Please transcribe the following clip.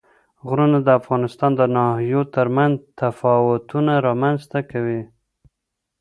غرونه د افغانستان د ناحیو ترمنځ تفاوتونه رامنځ ته کوي.